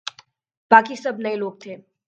باقی سب نئے لوگ تھے۔